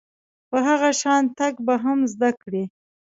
په هغه شان تګ به هم زده کړئ .